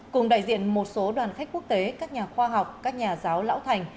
cùng đại diện một số đoàn khách quốc tế các nhà khoa học các nhà giáo lão thành